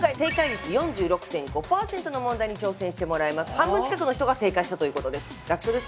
半分近くの人が正解したということです。